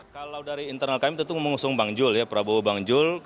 kalau dari internal kami tentu mengusung bang jul ya prabowo bang jul